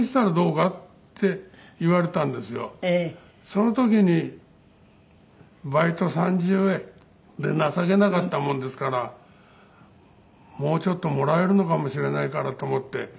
その時にバイト３０円で情けなかったもんですからもうちょっともらえるのかもしれないからと思って